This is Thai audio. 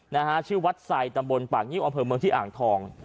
นะฮะชื่อวัดไซตำบลป่างิ้วอำเภอเมืองที่อ่างทอง